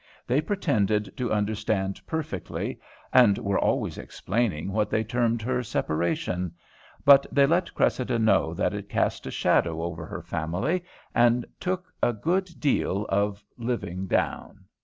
They pretended to understand perfectly, and were always explaining what they termed her "separation"; but they let Cressida know that it cast a shadow over her family and took a good deal of living down.